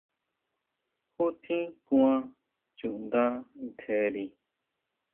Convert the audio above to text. ¿Ju tjín kuan chuʼnda ntjeri?